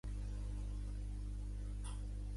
Això va ser un dur cop per a l'economia local.